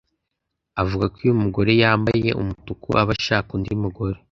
avuga ko iyo umugore yambaye umutuku aba ashaka Undi Mugore